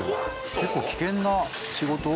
結構危険な仕事？